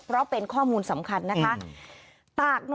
เพราะเป็นข้อมูลสำคัญนะคะ